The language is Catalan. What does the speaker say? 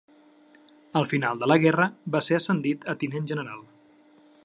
Al final de la guerra va ser ascendit a tinent general.